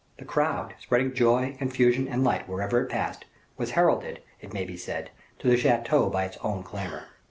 This crowd, spreading joy, confusion, and light wherever it passed, was heralded, it may be said, to the chateau by its own clamor.